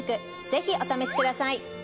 ぜひお試しください。